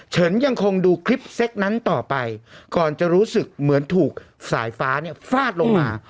ฉันยังคงดูคลิปเซ็กนั้นต่อไปก่อนจะรู้สึกเหมือนถูกสายฟ้าเนี่ยฟาดลงมา